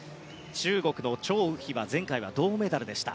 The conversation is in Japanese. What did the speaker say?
中国のチョウ・ウヒは前回は銅メダルでした。